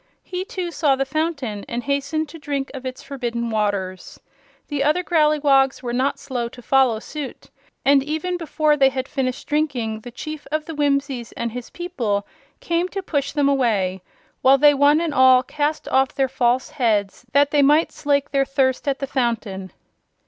He too saw the fountain and hastened to drink of its forbidden waters. The other Growleywogs were not slow to follow suit, and even before they had finished drinking the Chief of the Whimsies and his people came to push them away, while they one and all cast off their false heads that they might slake their thirst at the fountain.